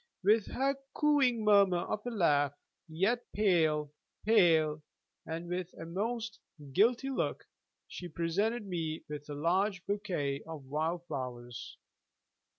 With her cooing murmur of a laugh, yet pale, pale, and with a most guilty look, she presented me a large bouquet of wild flowers.